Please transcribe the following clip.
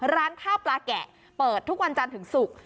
ร้านข้าวปลาแกะเปิดทุกวันจันทร์ถึงศุกร์